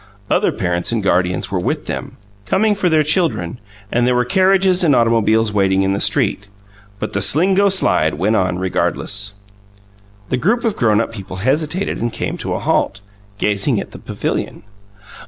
Other parents and guardians were with them, coming for their children; and there were carriages and automobiles waiting in the street. But the "Slingo Slide" went on, regardless. The group of grown up people hesitated and came to a halt, gazing at the pavilion.